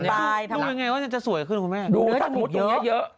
ทำปลายทำดูยังไงว่าจะสวยขึ้นคุณแม่ดูเนื้อจมูกเยอะเยอะ